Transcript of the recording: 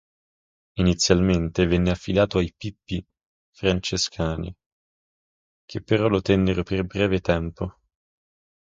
Inizialmente venne affidato ai pp. Francescani che però lo tennero per breve tempo.